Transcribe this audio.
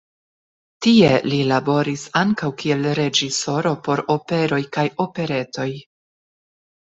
Tie li laboris ankaŭ kiel reĝisoro por operoj kaj operetoj.